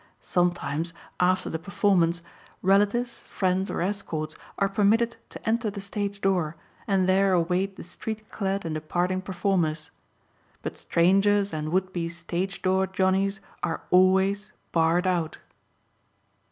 Sometimes, after the performance, relatives, friends or escorts are permitted to enter the stage door and there await the street clad and departing performers. But strangers and would be "stage door Johnnies" are always barred out.